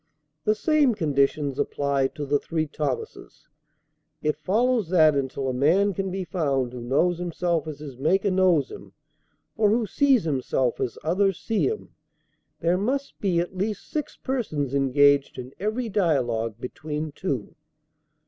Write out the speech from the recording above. The same conditions apply to the three Thomases. It follows, that, until a man can be found who knows himself as his Maker knows him, or who sees himself as others see him, there must be at least six persons engaged in every dialogue between two.